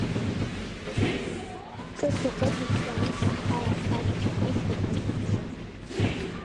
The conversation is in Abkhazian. Ҿыц ихәыҵшьшьаа амца аԥхара, аџь ԥырӷышқәа ргәы сҭаԥшит.